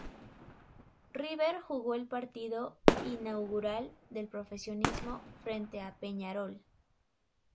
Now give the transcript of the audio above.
River jugó el partido inaugural del profesionalismo, frente a Peñarol.